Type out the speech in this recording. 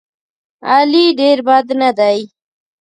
علي ډېر بد نه دی.